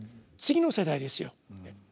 次の世代ですよ。